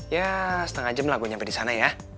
ya setengah jam lah gue nyampe di sana ya